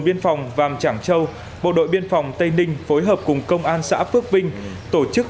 biên phòng vàm trảng châu bộ đội biên phòng tây ninh phối hợp cùng công an xã phước vinh tổ chức